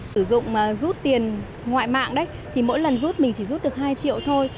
sử dụng rút tiền ngoại mạng mỗi lần rút mình chỉ rút được hai triệu thôi